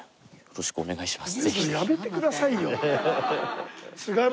よろしくお願いします。